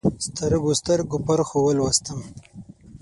سترګو، سترګو پرخو ولوستم